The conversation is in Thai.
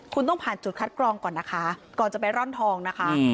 คุณต้องผ่านจุดคัดกรองก่อนนะคะก่อนจะไปร่อนทองนะคะ